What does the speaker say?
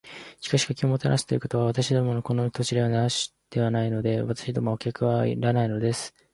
「しかし、お客をもてなすということは、私どものこの土地では慣わしではないので。私どもはお客はいらないのです」